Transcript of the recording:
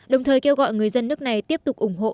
đồng thời kêu gọi người dân nước này tiếp tục ủng hộ